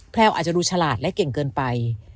แลวอาจจะดูฉลาดและเก่งเกินไป